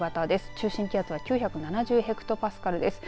中心気圧は９７０ヘクトパスカルです。